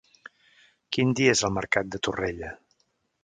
Quin dia és el mercat de Torrella?